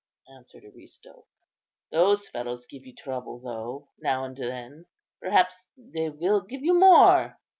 answered Aristo; "those fellows give you trouble, though, now and then. Perhaps they will give you more.